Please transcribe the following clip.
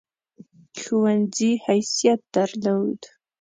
ښوونځي حیثیت درلود.